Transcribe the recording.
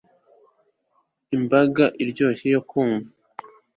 Imbaga iryoshye yo kumva